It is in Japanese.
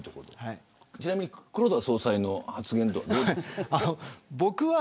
ちなみに黒田総裁の発言は。